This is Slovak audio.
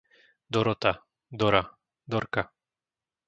Dorota, Dora, Dorka